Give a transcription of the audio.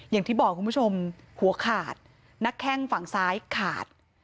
อย่างที่บอกคุณผู้ชมหัวขาดนักแข้งฝั่งซ้ายขาด